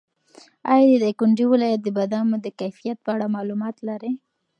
ایا د دایکنډي ولایت د بادامو د کیفیت په اړه معلومات لرې؟